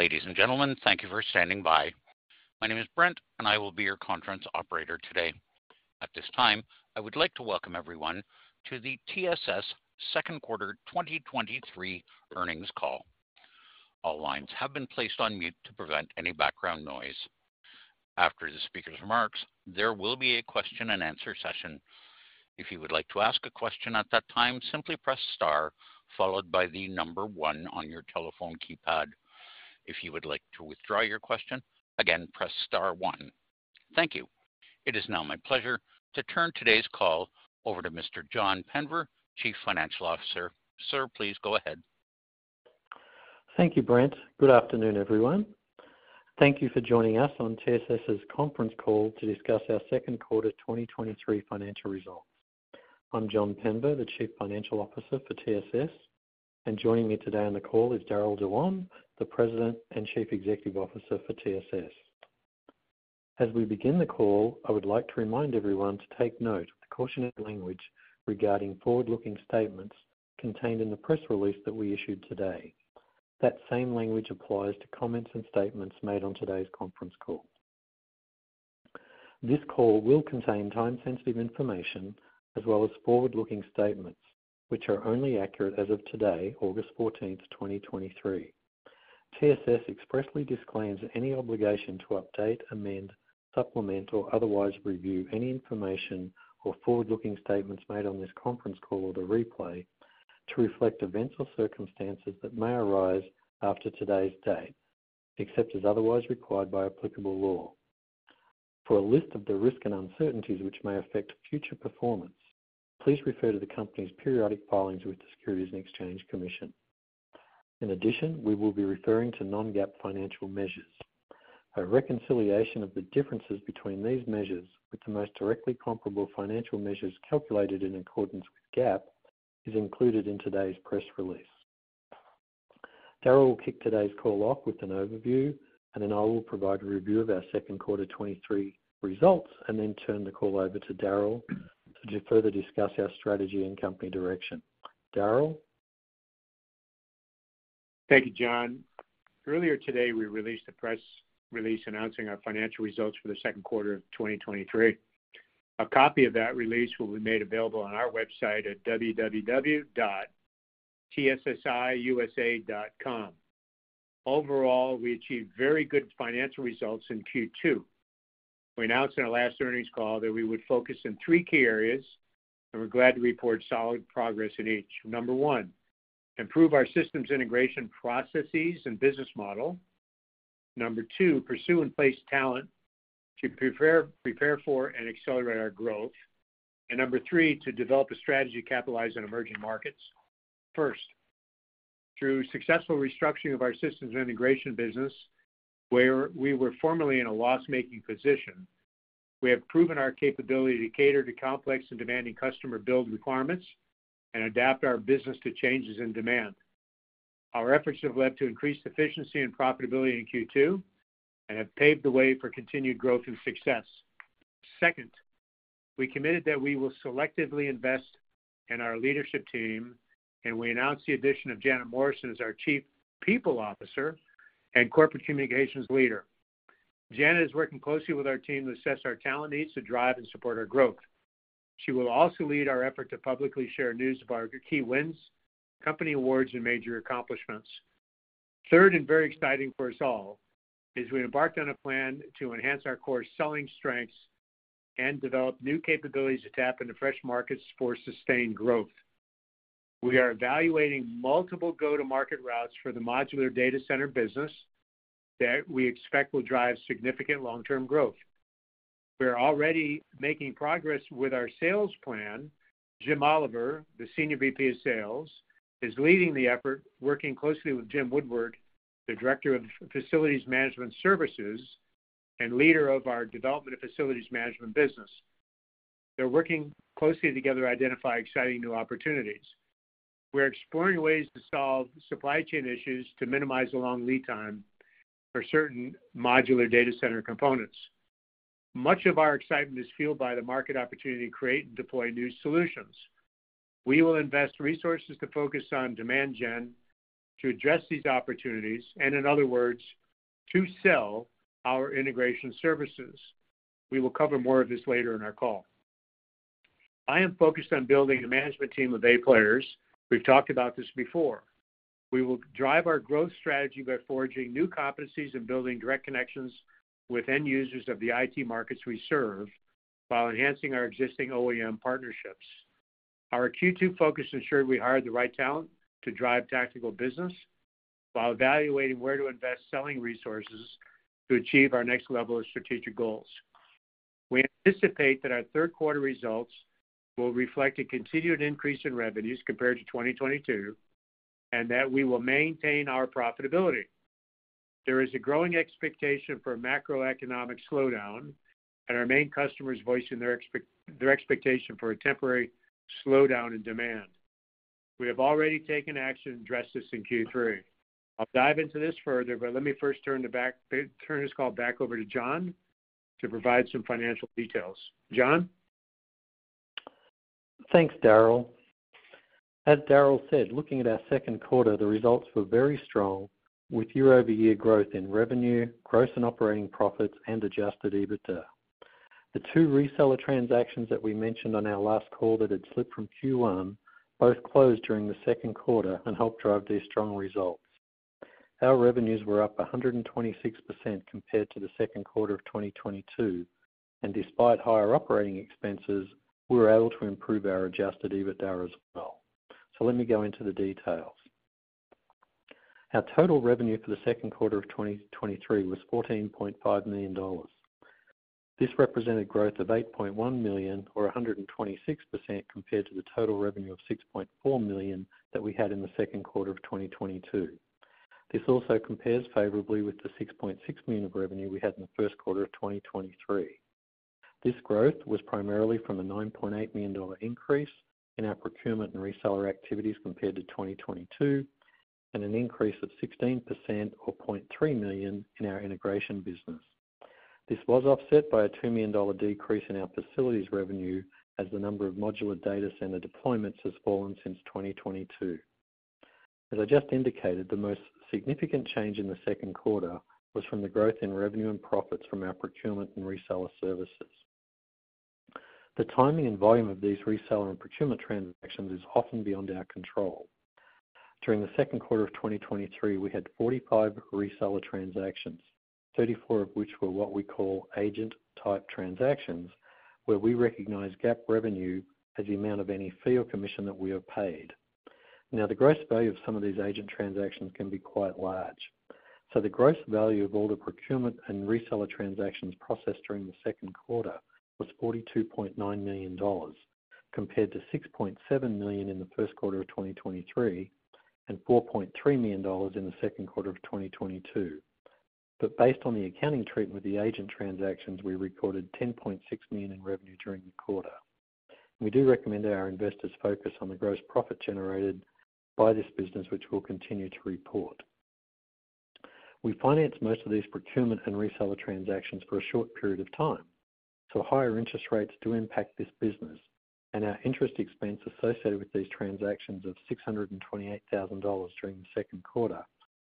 Ladies and gentlemen, thank you for standing by. My name is Brent, I will be your conference operator today. At this time, I would like to welcome everyone to the TSS second quarter 2023 earnings call. All lines have been placed on mute to prevent any background noise. After the speaker's remarks, there will be a question and answer session. If you would like to ask a question at that time, simply press star followed by the number one on your telephone keypad. If you would like to withdraw your question, again, press star one. Thank you. It is now my pleasure to turn today's call over to Mr. John Penver, Chief Financial Officer. Sir, please go ahead. Thank you, Brent. Good afternoon, everyone. Thank you for joining us on TSS's conference call to discuss our second quarter 2023 financial results. I'm John Penver, the Chief Financial Officer for TSS, and joining me today on the call is Darryll Dewan, the President and Chief Executive Officer for TSS. As we begin the call, I would like to remind everyone to take note of the cautionary language regarding forward-looking statements contained in the press release that we issued today. That same language applies to comments and statements made on today's conference call. This call will contain time-sensitive information as well as forward-looking statements, which are only accurate as of today, August 14, 2023. TSS expressly disclaims any obligation to update, amend, supplement, or otherwise review any information or forward-looking statements made on this conference call or the replay to reflect events or circumstances that may arise after today's date, except as otherwise required by applicable law. For a list of the risks and uncertainties which may affect future performance, please refer to the company's periodic filings with the Securities and Exchange Commission. We will be referring to non-GAAP financial measures. A reconciliation of the differences between these measures with the most directly comparable financial measures calculated in accordance with GAAP, is included in today's press release. Darryl will kick today's call off with an overview, and then I will provide a review of our second quarter 2023 results and then turn the call over to Darryl to further discuss our strategy and company direction. Darryl? Thank you, John. Earlier today, we released a press release announcing our financial results for the second quarter of 2023. A copy of that release will be made available on our website at www.tssiusa.com. Overall, we achieved very good financial results in Q2. We announced in our last earnings call that we would focus in three key areas, and we're glad to report solid progress in each. Number one, improve our systems, integration processes, and business model. Number two, pursue and place talent to prepare for and accelerate our growth. Number three, to develop a strategy to capitalize on emerging markets. First, through successful restructuring of our systems and integration business, where we were formerly in a loss-making position, we have proven our capability to cater to complex and demanding customer build requirements and adapt our business to changes in demand. Our efforts have led to increased efficiency and profitability in Q2 and have paved the way for continued growth and success. Second, we committed that we will selectively invest in our leadership team, and we announced the addition of Janet Morrison as our Chief People Officer and Corporate Communications Leader. Janet is working closely with our team to assess our talent needs to drive and support our growth. She will also lead our effort to publicly share news of our key wins, company awards, and major accomplishments. Third, and very exciting for us all, is we embarked on a plan to enhance our core selling strengths and develop new capabilities to tap into fresh markets for sustained growth. We are evaluating multiple go-to-market routes for the modular data center business that we expect will drive significant long-term growth. We are already making progress with our sales plan. Jim Olivier, the Senior Vice President of Sales, is leading the effort, working closely with Jim Woodward, the Director of Facilities Management Services and leader of our development of facilities management business. They're working closely together to identify exciting new opportunities. We're exploring ways to solve supply chain issues to minimize the long lead time for certain modular data center components. Much of our excitement is fueled by the market opportunity to create and deploy new solutions. We will invest resources to focus on demand gen to address these opportunities and in other words, to sell our integration services. We will cover more of this later in our call. I am focused on building a management team of A players. We've talked about this before. We will drive our growth strategy by forging new competencies and building direct connections with end users of the IT markets we serve, while enhancing our existing OEM partnerships. Our Q2 focus ensured we hired the right talent to drive tactical business while evaluating where to invest selling resources to achieve our next level of strategic goals. We anticipate that our third quarter results will reflect a continued increase in revenues compared to 2022, and that we will maintain our profitability. There is a growing expectation for a macroeconomic slowdown, our main customers voicing their expectation for a temporary slowdown in demand. We have already taken action to address this in Q3. I'll dive into this further, but let me first turn this call back over to John to provide some financial details. John? Thanks, Darryll. As Darryll said, looking at our second quarter, the results were very strong, with year-over-year growth in revenue, gross and operating profits, and adjusted EBITDA. The two reseller transactions that we mentioned on our last call that had slipped from Q1, both closed during the second quarter and helped drive these strong results. Our revenues were up 126% compared to the second quarter of 2022, despite higher operating expenses, we were able to improve our adjusted EBITDA as well. Let me go into the details. Our total revenue for the second quarter of 2023 was $14.5 million. This represented growth of $8.1 million or 126% compared to the total revenue of $6.4 million that we had in the second quarter of 2022. This also compares favorably with the $6.6 million of revenue we had in the first quarter of 2023. This growth was primarily from a $9.8 million increase in our procurement and reseller activities compared to 2022, and an increase of 16% or $0.3 million in our integration business. This was offset by a $2 million decrease in our facilities revenue as the number of modular data center deployments has fallen since 2022. As I just indicated, the most significant change in the second quarter was from the growth in revenue and profits from our procurement and reseller services. The timing and volume of these reseller and procurement transactions is often beyond our control. During the second quarter of 2023, we had 45 reseller transactions, 34 of which were what we call agent-type transactions, where we recognize GAAP revenue as the amount of any fee or commission that we are paid. The gross value of some of these agent transactions can be quite large. The gross value of all the procurement and reseller transactions processed during the second quarter was $42.9 million, compared to $6.7 million in the first quarter of 2023 and $4.3 million in the second quarter of 2022. Based on the accounting treatment with the agent transactions, we recorded $10.6 million in revenue during the quarter. We do recommend that our investors focus on the gross profit generated by this business, which we'll continue to report. We financed most of these procurement and reseller transactions for a short period of time, higher interest rates do impact this business, and our interest expense associated with these transactions of $628,000 during the second quarter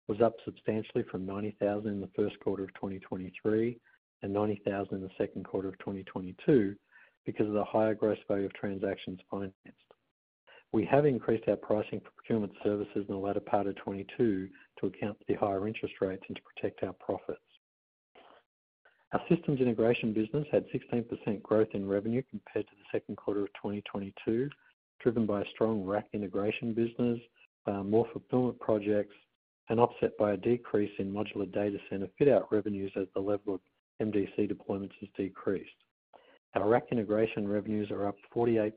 was up substantially from $90,000 in the first quarter of 2023 and $90,000 in the second quarter of 2022 because of the higher gross value of transactions financed. We have increased our pricing for procurement services in the latter part of 2022 to account for the higher interest rates and to protect our profits. Our systems integration business had 16% growth in revenue compared to the second quarter of 2022, driven by a strong rack integration business, more fulfillment projects, and offset by a decrease in modular data center fit out revenues as the level of MDC deployments has decreased. Our rack integration revenues are up 48%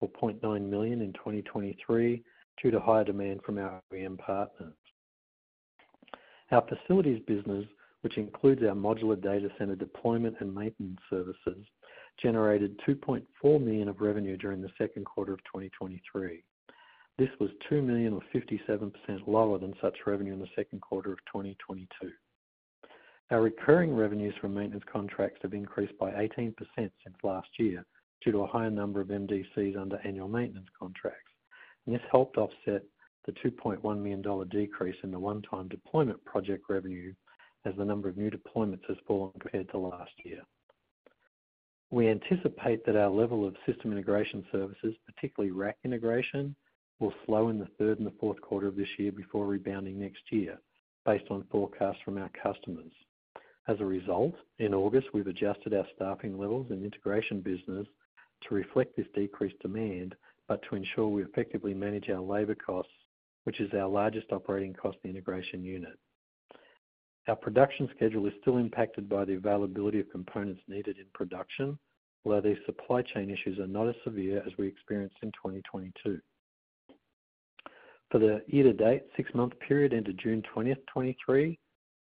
or $0.9 million in 2023 due to higher demand from our OEM partners. Our facilities business, which includes our modular data center deployment and maintenance services, generated $2.4 million of revenue during the second quarter of 2023. This was $2 million or 57% lower than such revenue in the second quarter of 2022. Our recurring revenues from maintenance contracts have increased by 18% since last year due to a higher number of MDCs under annual maintenance contracts. This helped offset the $2.1 million decrease in the one-time deployment project revenue as the number of new deployments has fallen compared to last year. We anticipate that our level of system integration services, particularly rack integration, will slow in the third and the fourth quarter of this year before rebounding next year, based on forecasts from our customers. As a result, in August, we've adjusted our staffing levels and integration business to reflect this decreased demand, but to ensure we effectively manage our labor costs, which is our largest operating cost integration unit. Our production schedule is still impacted by the availability of components needed in production, although these supply chain issues are not as severe as we experienced in 2022. For the year-to-date six-month period ended June 20th, 2023,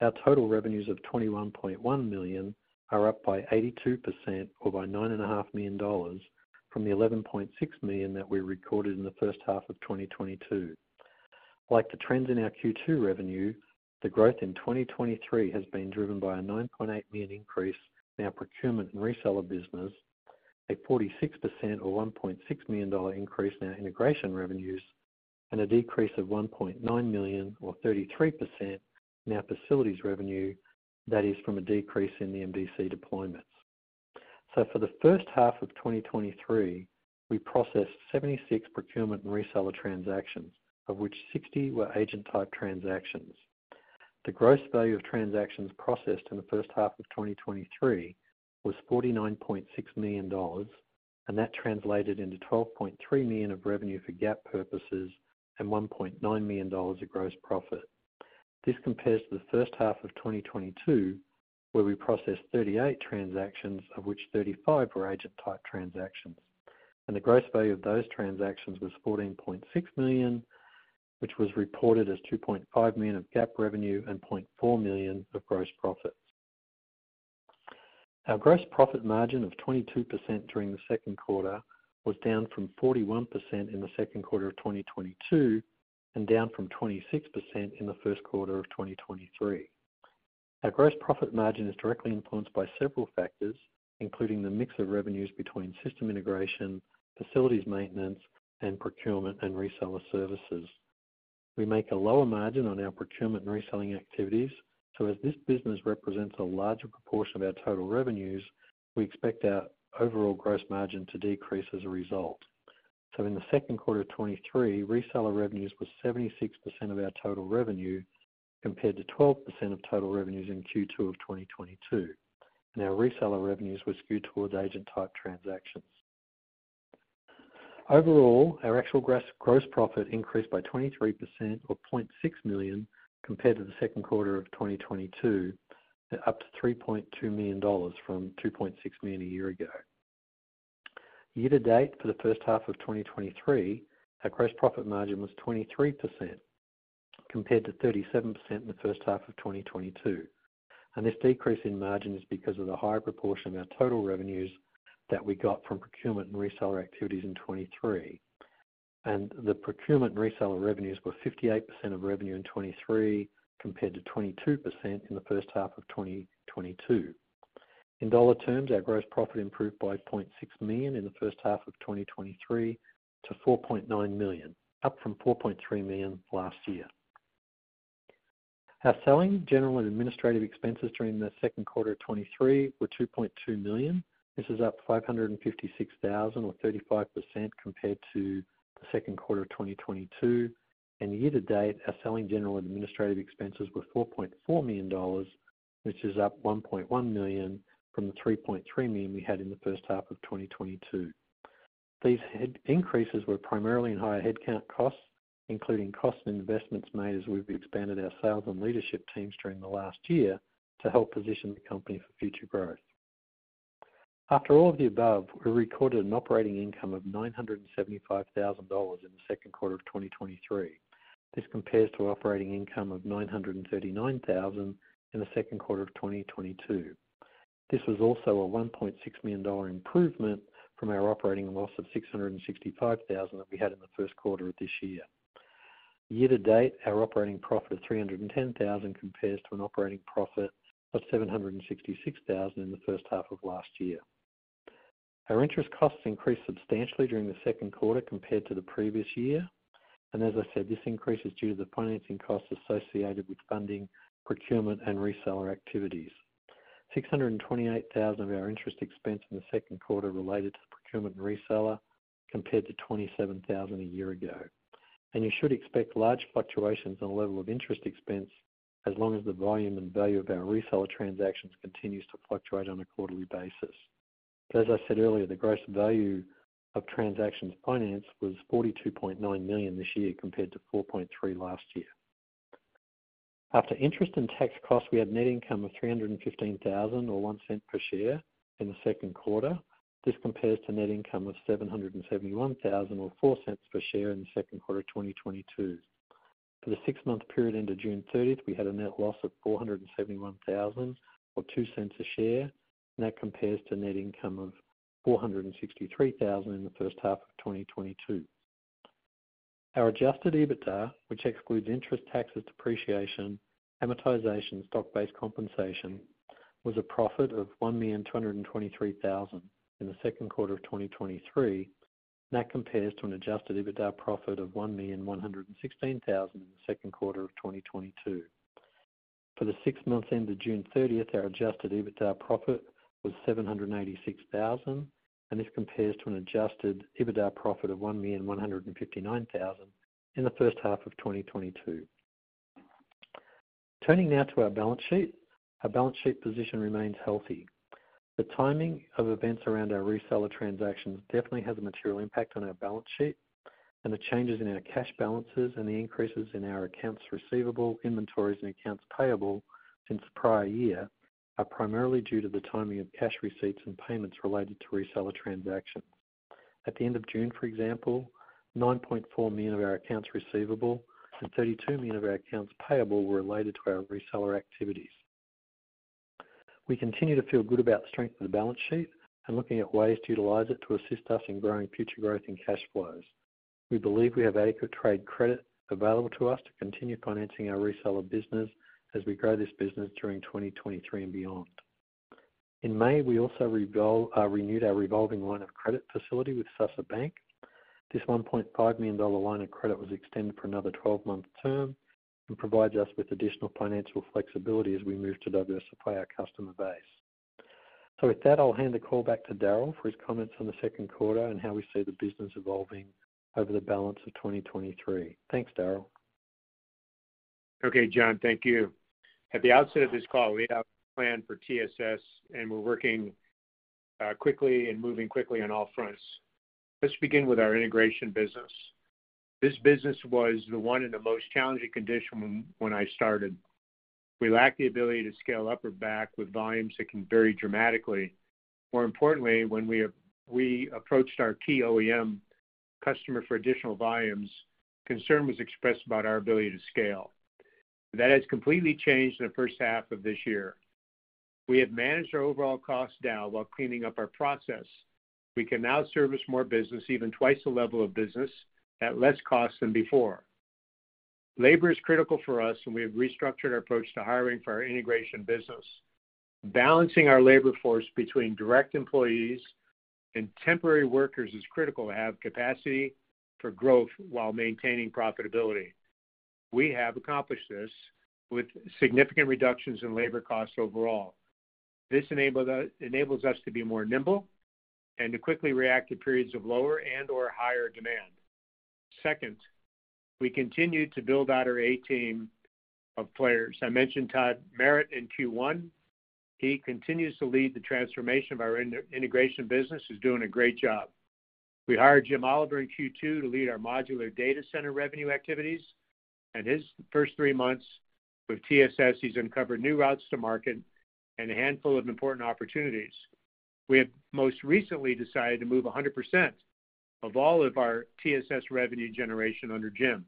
our total revenues of $21.1 million are up by 82% or by $9.5 million from the $11.6 million that we recorded in the first half of 2022. Like the trends in our Q2 revenue, the growth in 2023 has been driven by a $9.8 million increase in our procurement and reseller business, a 46% or $1.6 million increase in our integration revenues, and a decrease of $1.9 million or 33% in our facilities revenue. That is from a decrease in the MDC deployments. For the first half of 2023, we processed 76 procurement and reseller transactions, of which 60 were agent-type transactions. The gross value of transactions processed in the first half of 2023 was $49.6 million, and that translated into $12.3 million of revenue for GAAP purposes and $1.9 million of gross profit. This compares to the first half of 2022, where we processed 38 transactions, of which 35 were agent-type transactions, and the gross value of those transactions was $14.6 million, which was reported as $2.5 million of GAAP revenue and $0.4 million of gross profits. Our gross profit margin of 22% during the second quarter was down from 41% in the second quarter of 2022 and down from 26% in the first quarter of 2023. Our gross profit margin is directly influenced by several factors, including the mix of revenues between system integration, facilities maintenance, and procurement and reseller services. We make a lower margin on our procurement and reselling activities, so as this business represents a larger proportion of our total revenues, we expect our overall gross margin to decrease as a result. In the second quarter of 2023, reseller revenues were 76% of our total revenue, compared to 12% of total revenues in Q2 of 2022. Our reseller revenues were skewed towards agent-type transactions. Overall, our actual gross, gross profit increased by 23% or $0.6 million compared to the second quarter of 2022, up to $3.2 million from $2.6 million a year ago. Year to date, for the first half of 2023, our gross profit margin was 23%, compared to 37% in the first half of 2022. This decrease in margin is because of the higher proportion of our total revenues that we got from procurement and reseller activities in 2023. The procurement and reseller revenues were 58% of revenue in 2023, compared to 22% in the first half of 2022. In dollar terms, our gross profit improved by $0.6 million in the first half of 2023 to $4.9 million, up from $4.3 million last year. Our selling, general and administrative expenses during the second quarter of 2023 were $2.2 million. This is up $556,000, or 35%, compared to the second quarter of 2022. Year to date, our selling, general and administrative expenses were $4.4 million, which is up $1.1 million from the $3.3 million we had in the first half of 2022. These head- increases were primarily in higher headcount costs, including costs and investments made as we've expanded our sales and leadership teams during the last year to help position the company for future growth. After all of the above, we recorded an operating income of $975,000 in the second quarter of 2023. This compares to operating income of $939,000 in the second quarter of 2022. This was also a $1.6 million improvement from our operating loss of $665,000 that we had in the first quarter of this year. Year to date, our operating profit of $310,000 compares to an operating profit of $766,000 in the first half of last year. Our interest costs increased substantially during the second quarter compared to the previous year, as I said, this increase is due to the financing costs associated with funding, procurement, and reseller activities. $628,000 of our interest expense in the second quarter related to the procurement and reseller, compared to $27,000 a year ago. You should expect large fluctuations in the level of interest expense as long as the volume and value of our reseller transactions continues to fluctuate on a quarterly basis. As I said earlier, the gross value of transactions financed was $42.9 million this year, compared to $4.3 million last year. After interest and tax costs, we had net income of $315,000 or $0.01 per share in the second quarter. This compares to net income of $771,000 or $0.04 per share in the second quarter of 2022. For the six-month period ended June 30th, we had a net loss of $471,000 or $0.02 a share, that compares to net income of $463,000 in the first half of 2022. Our adjusted EBITDA, which excludes interest, taxes, depreciation, amortization, and stock-based compensation, was a profit of $1,223,000 in the second quarter of 2023, and that compares to an adjusted EBITDA profit of $1,116,000 in the second quarter of 2022. For the six months ended June 30th, our adjusted EBITDA profit was $786,000. This compares to an adjusted EBITDA profit of $1,159,000 in the first half of 2022. Turning now to our balance sheet. Our balance sheet position remains healthy. The timing of events around our reseller transactions definitely has a material impact on our balance sheet. The changes in our cash balances and the increases in our accounts receivable, inventories, and accounts payable since the prior year, are primarily due to the timing of cash receipts and payments related to reseller transactions. At the end of June, for example, $9.4 million of our accounts receivable and $32 million of our accounts payable were related to our reseller activities. We continue to feel good about the strength of the balance sheet and looking at ways to utilize it to assist us in growing future growth in cash flows. We believe we have adequate trade credit available to us to continue financing our reseller business as we grow this business during 2023 and beyond. In May, we also renewed our revolving line of credit facility with Susser Bank. This $1.5 million line of credit was extended for another 12-month term and provides us with additional financial flexibility as we move to diversify our customer base. With that, I'll hand the call back to Darryl for his comments on the second quarter and how we see the business evolving over the balance of 2023. Thanks, Darryl. Okay, John, thank you. At the outset of this call, we have a plan for TSS, and we're working quickly and moving quickly on all fronts. Let's begin with our integration business. This business was the one in the most challenging condition when I started. We lacked the ability to scale up or back with volumes that can vary dramatically. More importantly, when we approached our key OEM customer for additional volumes, concern was expressed about our ability to scale. That has completely changed in the first half of this year. We have managed our overall costs down while cleaning up our process. We can now service more business, even twice the level of business, at less cost than before. Labor is critical for us, and we have restructured our approach to hiring for our integration business. Balancing our labor force between direct employees and temporary workers is critical to have capacity for growth while maintaining profitability. We have accomplished this with significant reductions in labor costs overall. This enables us to be more nimble and to quickly react to periods of lower and/or higher demand. Second, we continued to build out our A team of players. I mentioned Todd Marrott in Q1. He continues to lead the transformation of our integration business. He's doing a great job. We hired Jim Olivier in Q2 to lead our modular data center revenue activities. In his first three months with TSS, he's uncovered new routes to market and a handful of important opportunities. We have most recently decided to move 100% of all of our TSS revenue generation under Jim.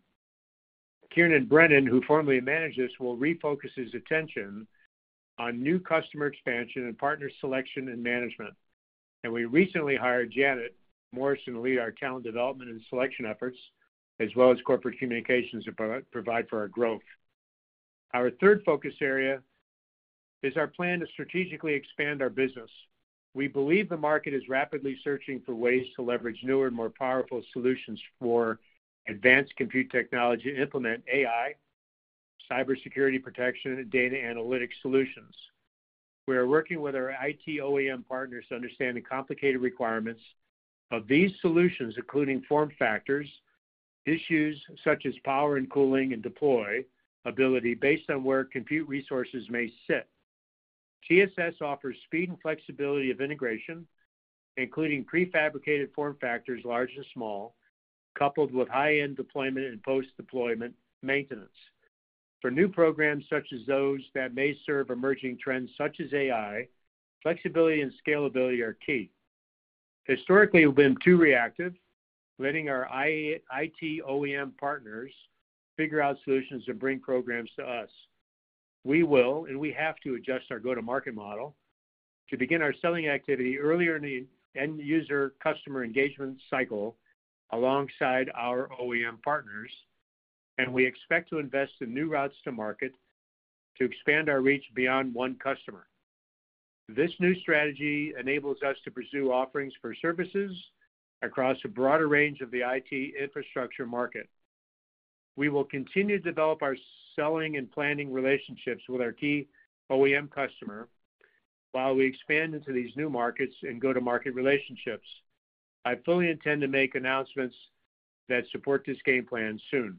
Kieran Brennan, who formerly managed this, will refocus his attention on new customer expansion and partner selection and management. We recently hired Janet Morrison to lead our talent development and selection efforts, as well as corporate communications to provide for our growth. Our third focus area is our plan to strategically expand our business. We believe the market is rapidly searching for ways to leverage newer and more powerful solutions for advanced compute technology to implement AI, cybersecurity protection, and data analytics solutions. We are working with our IT OEM partners to understand the complicated requirements of these solutions, including form factors, issues such as power and cooling, and deployability based on where compute resources may sit. TSS offers speed and flexibility of integration, including prefabricated form factors, large and small, coupled with high-end deployment and post-deployment maintenance. For new programs, such as those that may serve emerging trends such as AI, flexibility and scalability are key. Historically, we've been too reactive, letting our IT OEM partners figure out solutions and bring programs to us. We will, and we have to, adjust our go-to-market model to begin our selling activity earlier in the end-user customer engagement cycle alongside our OEM partners, and we expect to invest in new routes to market to expand our reach beyond one customer. This new strategy enables us to pursue offerings for services across a broader range of the IT infrastructure market. We will continue to develop our selling and planning relationships with our key OEM customer while we expand into these new markets and go-to-market relationships. I fully intend to make announcements that support this game plan soon.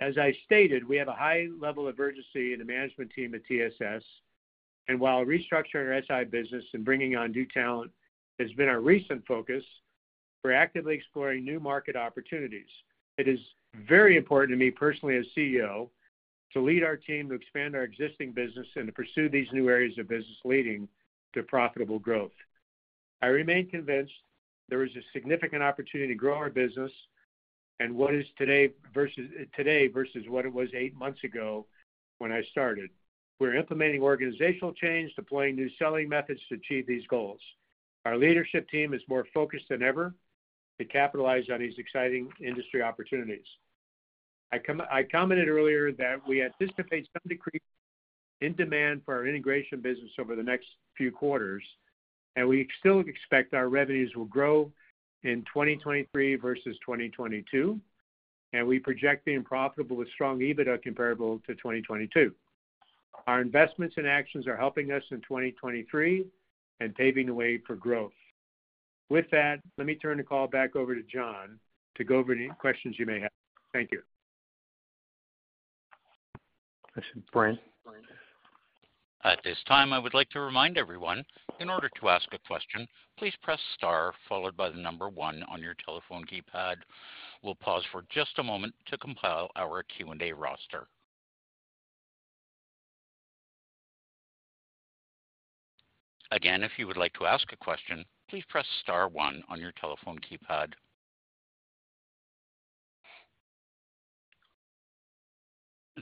As I stated, we have a high level of urgency in the management team at TSS. While restructuring our SI business and bringing on new talent has been our recent focus, we're actively exploring new market opportunities. It is very important to me personally, as CEO, to lead our team to expand our existing business and to pursue these new areas of business leading to profitable growth. I remain convinced there is a significant opportunity to grow our business and what is today versus today versus what it was eight months ago when I started. We're implementing organizational change, deploying new selling methods to achieve these goals. Our leadership team is more focused than ever to capitalize on these exciting industry opportunities. I commented earlier that we anticipate some decrease in demand for our integration business over the next few quarters. We still expect our revenues will grow in 2023 versus 2022. We project being profitable with strong EBITDA comparable to 2022. Our investments and actions are helping us in 2023 and paving the way for growth. With that, let me turn the call back over to John to go over any questions you may have. Thank you. Brent? At this time, I would like to remind everyone, in order to ask a question, please press star followed by the number one on your telephone keypad. We'll pause for just a moment to compile our Q&A roster. Again, if you would like to ask a question, please press star one on your telephone keypad.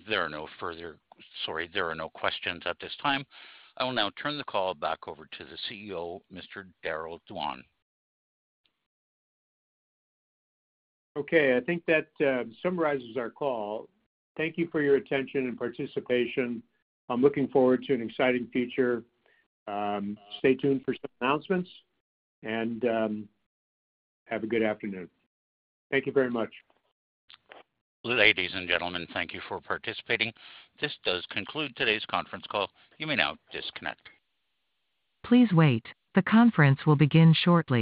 There are no further... Sorry, there are no questions at this time. I will now turn the call back over to the CEO, Mr. Darryll Dewan. Okay, I think that summarizes our call. Thank you for your attention and participation. I'm looking forward to an exciting future. Stay tuned for some announcements, and have a good afternoon. Thank you very much. Ladies and gentlemen, thank you for participating. This does conclude today's conference call. You may now disconnect. Please wait. The conference will begin shortly.